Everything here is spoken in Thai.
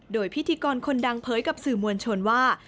โดยพิธีกรคนดังเผยกับสื่อมวลชนว่า